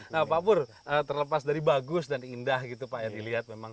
nah pak pur terlepas dari bagus dan indah gitu pak ya dilihat memang